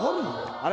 あれ？